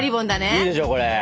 いいでしょこれ。